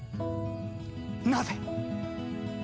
なぜ！